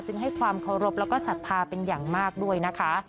จึงให้ความเคารพและสัตว์ภาพเป็นอย่างมากด้วยนะคะ